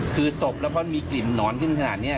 คือศพแล้วพอมีกลิ่นหนอนขึ้นขนาดนี้